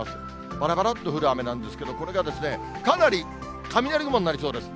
ばらばらっと降る雨なんですけども、これがかなり雷雲になりそうです。